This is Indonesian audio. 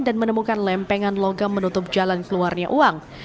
dan menemukan lempengan logam menutup jalan keluarnya uang